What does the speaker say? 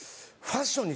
ファッション？